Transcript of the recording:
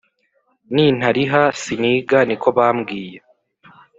nintariha siniga niko bambwiye